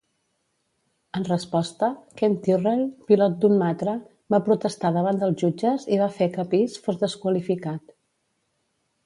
En resposta, Ken Tyrrell, pilot d'un Matra, va protestar davant dels jutges i va fer que Pease fos desqualificat.